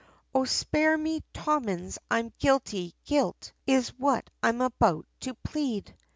O spare me Tommins, I'm guilty, guilt, is what I'm about to plead!"